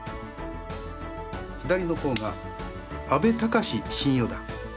左の方が阿部隆新四段。